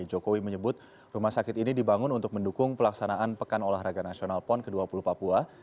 jokowi menyebut rumah sakit ini dibangun untuk mendukung pelaksanaan pekan olahraga nasional pon ke dua puluh papua